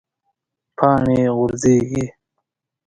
پاڼې غورځیږي